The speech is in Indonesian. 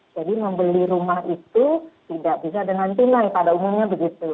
jadi membeli rumah itu tidak bisa dengan tinai pada umumnya begitu